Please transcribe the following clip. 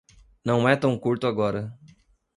Não é tão curto agora.